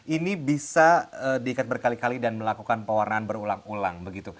ini bisa diikat berkali kali dan melakukan pewarnaan berulang ulang